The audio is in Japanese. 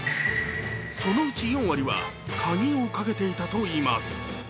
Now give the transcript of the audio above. そのうち４割は、鍵をかけていたといいます。